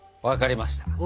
分かりました。